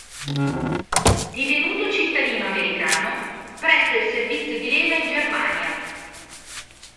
Divenuto cittadino americano, presta il servizio di leva in Germania.